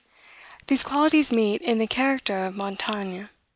These qualities meet in the character of Montaigne.